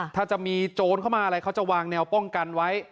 ถ้าจะมีโจรเข้ามาอะไรเขาจะวางแนวป้องกันไว้